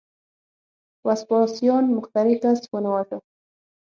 وسپاسیان مخترع کس ونه واژه.